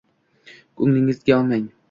Ko‘nglingizga olmang.